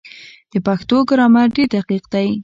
د پښتو ګرامر ډېر دقیق دی.